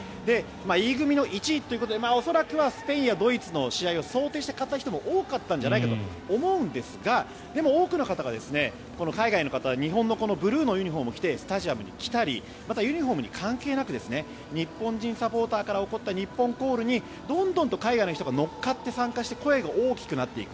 Ｅ組の１位ということで恐らくはスペインやドイツの試合を想定して買った人も多かったんじゃないかと思うんですがでも、多くの方が海外の方日本のブルーのユニホームを着てスタジアムに来たりまた、ユニホーム関係なく日本人サポーターから起こった日本コールにどんどんと海外の人が乗っかって参加して声が大きくなっていく。